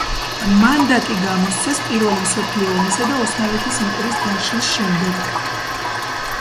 მანდატი გამოსცეს პირველი მსოფლიო ომისა და ოსმალეთის იმპერიის დაშლის შემდეგ.